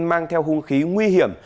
mang theo hung khí nguy hiểm